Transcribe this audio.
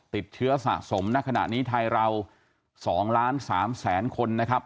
ติดเชื้อสะสมณขณะนี้ไทยเรา๒ล้าน๓แสนคนนะครับ